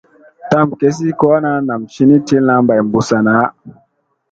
Tam gesi ko ana nam cini tilla bay ɓussa naa.